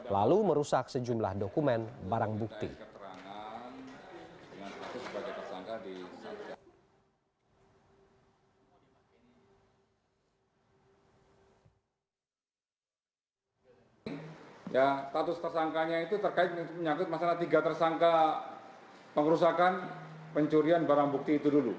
lalu merusak sejumlah dokumen barang bukti